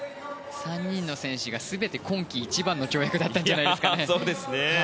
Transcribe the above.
３人の選手が全て今季一番の跳躍だったと思います。